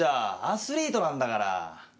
アスリートなんだから。